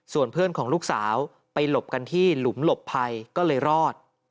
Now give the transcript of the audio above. ส่วนเพื่อนของลูกสาวไปหลบกันที่หลุมหลบภัยก็เลยรอด